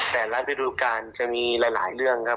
แต่ละฤดูการจะมีหลายเรื่องครับ